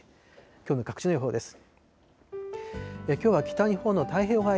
きょうの各地の予報です。